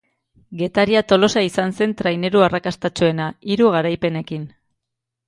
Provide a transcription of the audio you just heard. Getaria-Tolosa izan zen traineru arrakastatsuena, hiru garaipenekin.